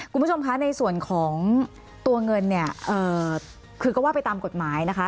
คุณผู้ชมคะในส่วนของตัวเงินเนี่ยคือก็ว่าไปตามกฎหมายนะคะ